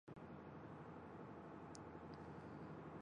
ليلما په سونګېدو او له تړې سره په څخېدو شاته لاړه.